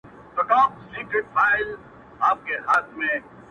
پای لا هم خلاص پاته کيږي,